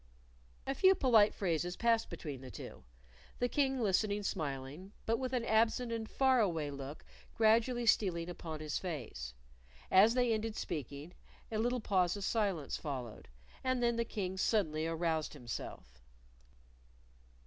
A few polite phrases passed between the two, the King listening smiling, but with an absent and far away look gradually stealing upon his face. As they ended speaking, a little pause of silence followed, and then the King suddenly aroused himself.